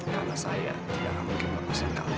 karena saya tidak akan mempermasakan kamu